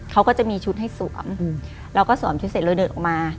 เขาก็จะมีชุดให้สวมเราก็สวมชุดเสร็จเราเดินออกมา